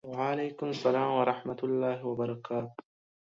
وعلیکم سلام ورحمة الله وبرکاته